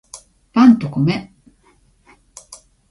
パンと米